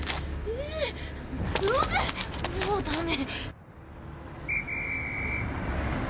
もうダメ。